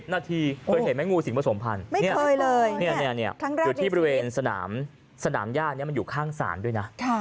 ๑๐นาทีเคยเห็นไหมงูสิงผสมพันธุ์ไม่เคยเลยอยู่ที่บริเวณสนามย่านอยู่ข้างศาลด้วยนะ